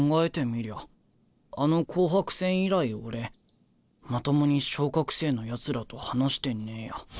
みりゃあの紅白戦以来俺まともに昇格生のやつらと話してねえや。